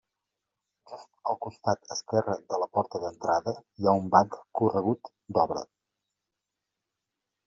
Just al costat esquerre de la porta d'entrada, hi ha un banc corregut d'obra.